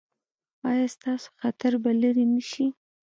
ایا ستاسو خطر به لرې نه شي؟